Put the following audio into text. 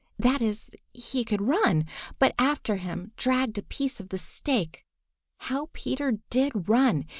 That is, he could run, but after him dragged a piece of the stake. How Peter did run!